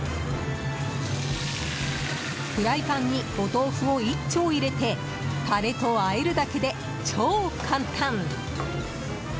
フライパンにお豆腐を１丁入れてタレとあえるだけで超簡単！